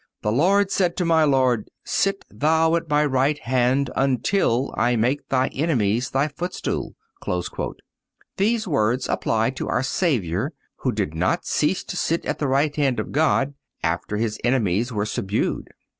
"The Lord said to my Lord: Sit thou at my right hand until I make thy enemies thy footstool."(227) These words apply to our Savior, who did not cease to sit at the right of God after His enemies were subdued.